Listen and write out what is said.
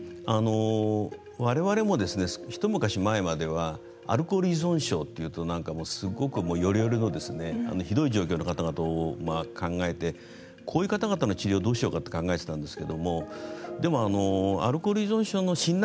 われわれも一昔前まではアルコール依存症というとなんか、すごくよれよれのひどい状況の方々を考えてこういう方々の治療をどうしようかと考えていたんですけれどもでも、アルコール依存症の診断